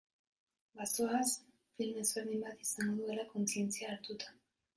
Bazoaz, film ezberdin bat izango dela kontzientzia hartuta.